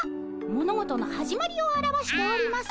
物事の始まりを表しております。